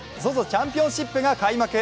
ＺＯＺＯチャンピオンシップが開幕。